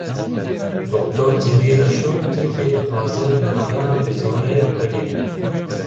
Doktor Nûrî Reşo Tirkiye dixwaze penaberan bi zorê vegerîne.